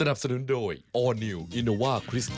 อันหนึ่งมั้ย